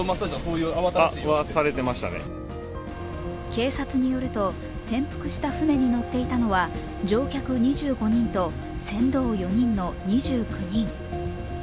警察によると、転覆した舟に乗っていたのは乗客２５人と船頭４人の２９人。